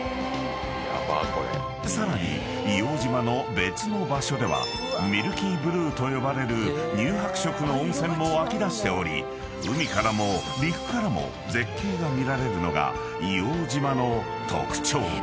［さらに硫黄島の別の場所ではミルキーブルーと呼ばれる乳白色の温泉も湧き出しており海からも陸からも絶景が見られるのが硫黄島の特徴］